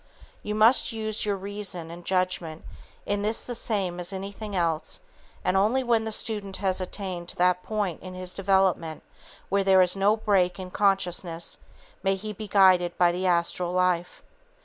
You must use your reason and judgment in this the same as anything else, and only when the student has attained to that point in his development where there is no break in consciousness, may he be guided by the astral life.